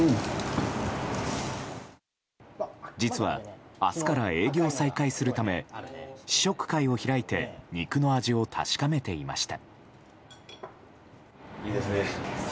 実は明日から営業再開するため試食会を開いて肉の味を確かめていました。